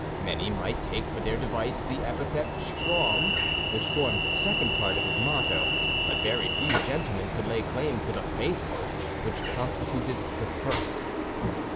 Many might take for their device the epithet strong, which formed the second part of his motto, but very few gentlemen could lay claim to the faithful, which constituted the first.